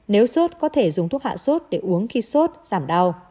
nếu suốt có thể dùng thuốc hạ suốt để uống khi suốt giảm đau